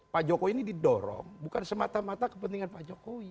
pak jokowi ini didorong bukan semata mata kepentingan pak jokowi